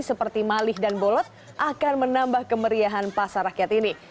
seperti malih dan bolot akan menambah kemeriahan pasar rakyat ini